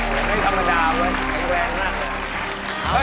อย่าให้ทำลักษณะอาวุธไอ้แหวนน่าสวย